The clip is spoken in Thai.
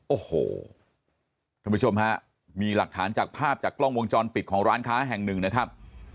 โอ้โหท่านผู้ชมฮะมีหลักฐานจากภาพจากกล้องวงจรปิดของร้านค้าแห่งหนึ่งนะครับ